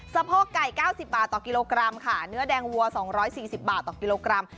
โพกไก่๙๐บาทต่อกิโลกรัมค่ะเนื้อแดงวัว๒๔๐บาทต่อกิโลกรัม